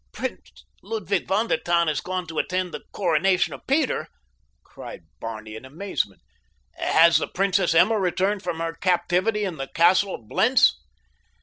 "Prince Ludwig von der Tann has gone to attend the coronation of Peter!" cried Barney in amazement. "Has the Princess Emma returned from her captivity in the castle of Blentz?"